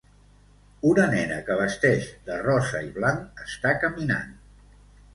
Una nena que vesteix de rosa i blanc està caminant.